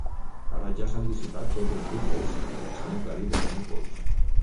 Ara ja s’han dissipat tots els dubtes i s’han aclarit els núvols.